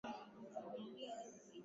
Fulusi wacha uchoyo, tatua yalonifika,